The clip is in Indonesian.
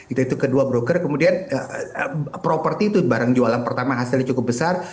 itu itu kedua broker kemudian properti itu barang jualan pertama hasilnya cukup besar